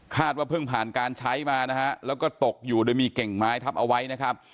ว่าเพิ่งผ่านการใช้มานะฮะแล้วก็ตกอยู่โดยมีเก่งไม้ทับเอาไว้นะครับ